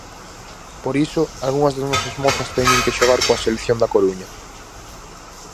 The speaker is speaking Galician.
Por iso, algunhas das nosas mozas teñen que xogar coa selección da Coruña.